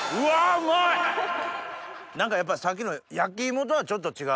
何かやっぱさっきの焼き芋とはちょっと違う。